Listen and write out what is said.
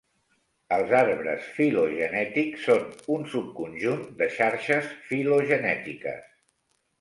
Els arbres filogenètics són un subconjunt de xarxes filogenètiques.